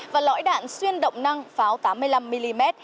và lõi đạn xuyên động năng pháo tám mươi năm mm